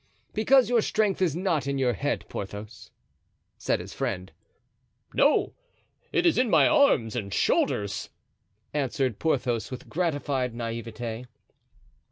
"Because your strength is not in your head, Porthos," said his friend. "No; it is in my arms and shoulders," answered Porthos with gratified naivete.